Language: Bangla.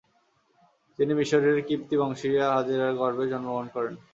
যিনি মিসরের কিবতী বংশীয়া হাজেরার গর্ভে জন্মগ্রহণ করেন।